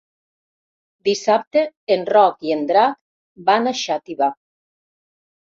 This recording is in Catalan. Dissabte en Roc i en Drac van a Xàtiva.